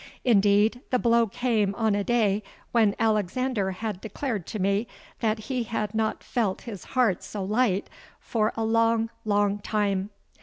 Indeed, the blow came on a day when Alexander had declared to me that he had not felt his heart so light for a long, long time.